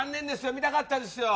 見たかったですよ。